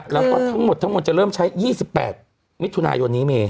แล้วก็ทั้งหมดจะเริ่มใช้๒๘มิถุนายนิเมค